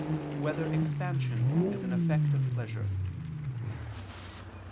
1] Whether Expansion Is an Effect of Pleasure?